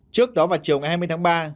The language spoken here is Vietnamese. trước đó vào chiều ngày hai mươi tháng ba